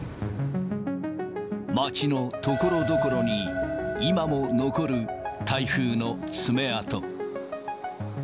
町のところどころに今も残る、台風の爪痕。